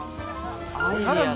さらに